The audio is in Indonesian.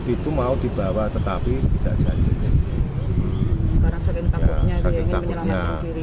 itu mau dibawa tetapi tidak jadinya